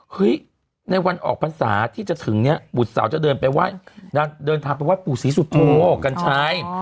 เห้ยในวันออกพรรษาที่จะถึงเนี่ยบุตรสาวจะเดินทางไปวัดปู่ศรีสุโธคกันใช้